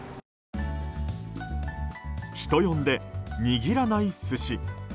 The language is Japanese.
人呼んで握らない寿司。